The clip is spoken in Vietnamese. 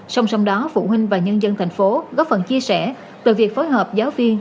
xong xong đó phụ huynh và nhân dân thành phố góp phần chia sẻ từ việc phối hợp giáo viên